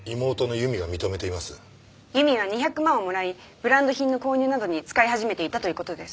由美は２００万をもらいブランド品の購入などに使い始めていたという事です。